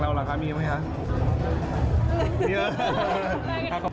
ไม่ค่ะไม่พี่ก็ลง